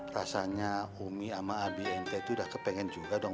rasanya homi sama abi nt itu udah kepengen juga dong